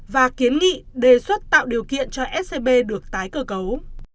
và kiến nghị đề xuất tạo điều kiện cho scb được tái cơ cấu